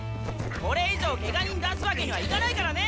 これ以上ケガ人出すわけにはいかないからね！